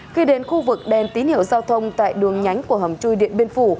khi đến khu vực đèn tín hiệu giao thông tại đường nhánh của hầm chui điện biên phủ